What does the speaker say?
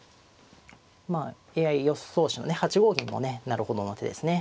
まあＡＩ予想手のね８五銀もねなるほどの手ですね。